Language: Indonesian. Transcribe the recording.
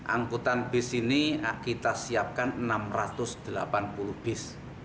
angkutan bus ini kita siapkan enam ratus delapan puluh bis